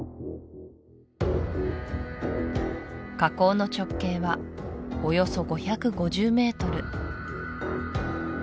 火口の直径はおよそ５５０ｍ